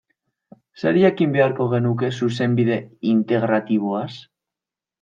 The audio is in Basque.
Zer jakin beharko genuke Zuzenbide Integratiboaz?